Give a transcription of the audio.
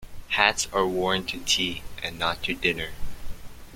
Hats are worn to tea and not to dinner.